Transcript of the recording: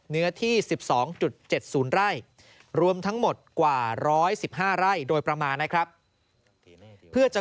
เนื้อที่๑๒๗๐ไร่รวมทั้งหมดกว่า๑๑๕ไร่โดยประมาณนะครับเพื่อจะ